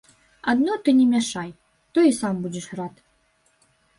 Адно ты не мяшай, то і сам будзеш рад.